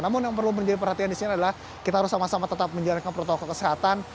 namun yang perlu menjadi perhatian di sini adalah kita harus sama sama tetap menjalankan protokol kesehatan